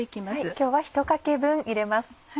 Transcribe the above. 今日は１かけ分入れます。